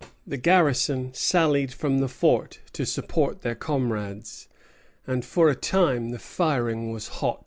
The garrison sallied from the fort to support their comrades, and for a time the firing was hot.